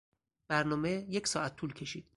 برنامه یک ساعت طول کشید.